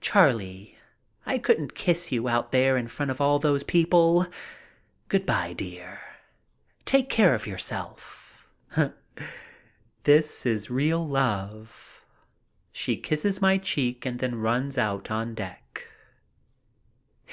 "Charlie, I couldn't kiss you out there in front of all those people. Good by, dear. Take care of yourself." This is real love. She kisses my cheek and then runs out on deck.